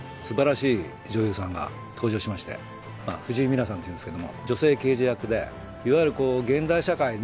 すばらしい女優さんが登場しまして藤井美菜さんというんですけども女性刑事役でいわゆる現代社会